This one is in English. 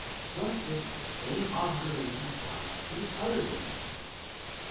What if the same observation applied to the other differences